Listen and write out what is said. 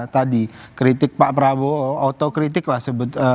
tadi kritik pak prabowo otokritik lah sebut